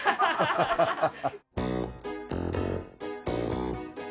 ハハハハ！